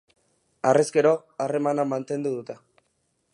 Harrezkero, harremana mantendu dute.